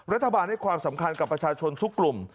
รัฐบาลให้ความสำคัญกับประชาชนทุกกลุ่ม